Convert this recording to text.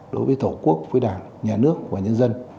đối với tổ quốc với đảng nhà nước và nhân dân